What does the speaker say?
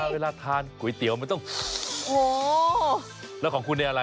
เวลาทานก๋วยเตี๋ยวมันต้องโอ้โหแล้วของคุณเนี่ยอะไร